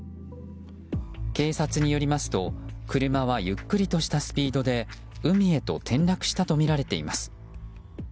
警察によりますと車はゆっくりとしたスピードで海へと転落したとみられています。